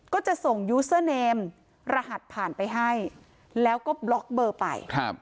ก็จะส่งยูเซอร์เนมรหัสผ่านไปให้แล้วก็บล็อกเบอร์ไปครับ